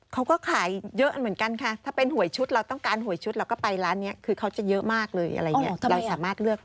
เขาก็ขายเยอะเหมือนกันค่ะถ้าเป็นหวยชุดเราต้องการหวยชุดเราก็ไปร้านนี้คือเขาจะเยอะมากเลยอะไรอย่างนี้เราสามารถเลือก